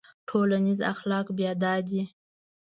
ټولنیز اخلاق بیا دا دي.